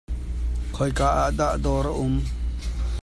Khoi ka ah dah dawr a um?